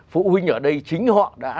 phụ huynh ở đây chính họ đã